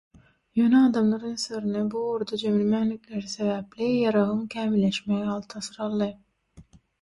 Ýöne adamlar ünslerini bu ugurda jemlemänlikleri sebäpli ýaragyň kämilleşmegi alty asyr aldy.